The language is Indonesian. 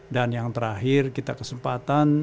dan yang terakhir kita kesempatan